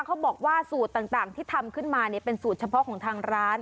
เขาบอกว่าสูตรต่างที่ทำขึ้นมาเป็นสูตรเฉพาะของทางร้าน